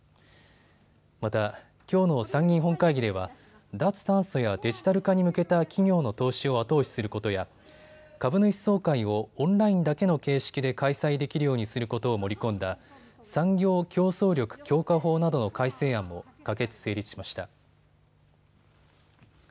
また、きょうの参議院本会議では脱炭素やデジタル化に向けた企業の投資を後押しすることや株主総会をオンラインだけの形式で開催できるようにすることを盛り込んだ産業競争力強化法などの改正案も可決・成立しました。